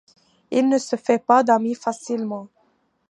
Il ne se fait pas d'ami facilement.